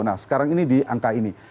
nah sekarang ini di angka ini